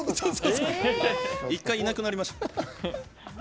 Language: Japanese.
一回いなくなりました。